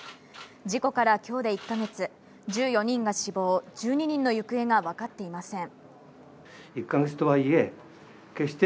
事故から今日で１か月、１４人が死亡、１２人の行方がわかっていません。